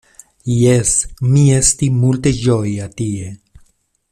Jes, mi esti multe ĝoja tie.